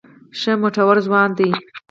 ښه مټور ځوان دی.